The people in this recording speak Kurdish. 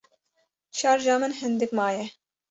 Şarja min hindik maye.